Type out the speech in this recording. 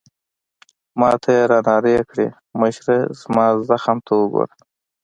ما ته يې رانارې کړې: مشره، زما زخم ته وګوره.